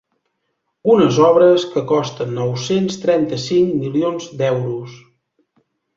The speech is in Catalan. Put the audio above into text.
Unes obres que costen nou-cents trenta-cinc milions d’euros.